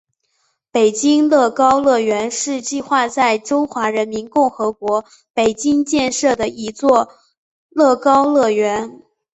北京乐高乐园是计划在中华人民共和国北京建设的一座乐高乐园。